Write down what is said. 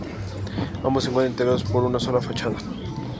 Ambos se encuentran integrados por una sola fachada.